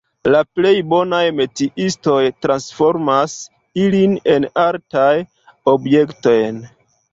La plej bonaj metiistoj transformas ilin en artaj objektojn.